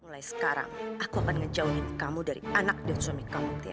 mulai sekarang aku akan ngejauhin kamu dari anak dan suami kamu